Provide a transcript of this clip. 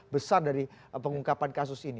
besar dari pengungkapan kasus ini